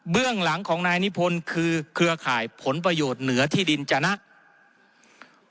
หลังของนายนิพนธ์คือเครือข่ายผลประโยชน์เหนือที่ดินจะนะ